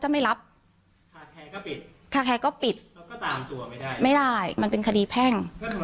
ไม่ได้มันเป็นคดีแพ่ง